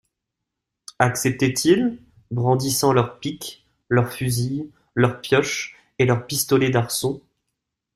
Acceptaient-ils, brandissant leurs piques, leurs fusils, leurs pioches et leurs pistolets d'arçon.